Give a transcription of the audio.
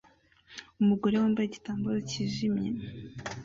Umugore wambaye igitambaro kijimye